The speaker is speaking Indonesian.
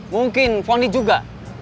mungkin pony juga